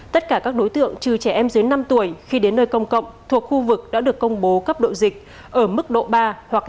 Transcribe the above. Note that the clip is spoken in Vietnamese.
tất cả các đối tượng trừ trẻ em dưới năm tuổi khi đến nơi công cộng thuộc khu vực đã được công bố cấp độ dịch ở mức độ ba hoặc năm